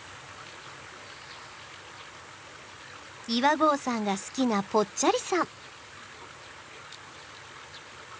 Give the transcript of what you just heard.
岩合さんが好きなぽっちゃりさん。